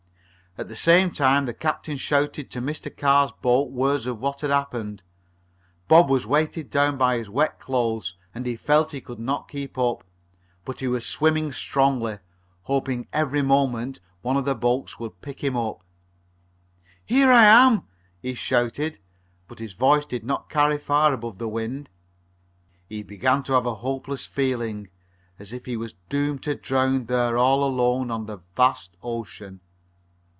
At the same time the captain shouted to Mr. Carr's boat word of what had happened. Bob was weighted down by his wet clothes and he felt he could not long keep up, but he was swimming strongly, hoping every moment one of the boats would pick him up. "Here I am!" he shouted, but his voice did not carry far above the wind. He began to have a hopeless feeling, as if he was doomed to drown there all alone on the vast ocean.